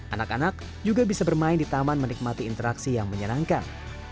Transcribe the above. anak anak juga bisa bermain di taman menikmati interaksi yang menyenangkan